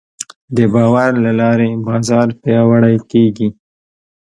د باور له لارې بازار پیاوړی کېږي.